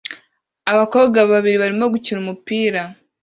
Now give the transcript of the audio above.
Abakobwa babiri barimo gukina umupira